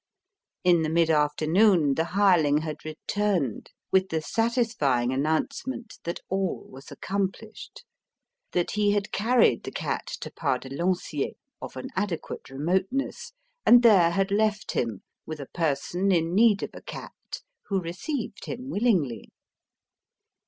In the mid afternoon the hireling had returned, with the satisfying announcement that all was accomplished: that he had carried the cat to Pas de Lanciers, of an adequate remoteness, and there had left him with a person in need of a cat who received him willingly.